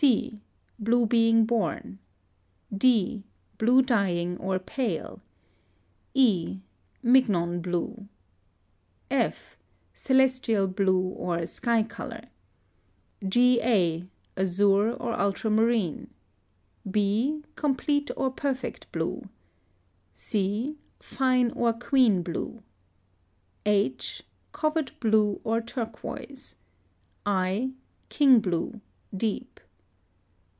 C. Blue being born. D. Blue dying or pale. E. Mignon blue. F. Celestial blue, or sky color. G. a. Azure, or ultramarine. b. Complete or perfect blue. c. Fine or queen blue. H. Covert blue or turquoise. I. King blue (deep).